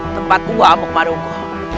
tempat buah bukmaruku